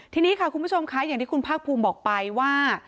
ทีนี้ค่ะคุณผู้ชมค่ะอย่างที่คุณภาคภูมิบอกไปว่า